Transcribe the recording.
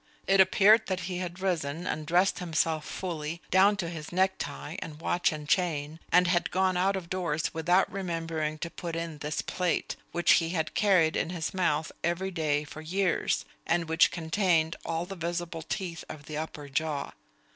It appeared that he had risen and dressed himself fully, down to his necktie and watch and chain, and had gone out of doors without remembering to put in this plate, which he had carried in his mouth every day for years, and which contained all the visible teeth of the upper jaw.